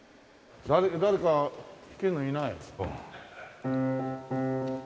誰か弾けるのいない？